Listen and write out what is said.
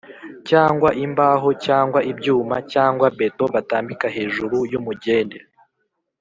cyangwa imbaho cyangwa ibyuma cyangwa beto batambika hejuru y’umugende,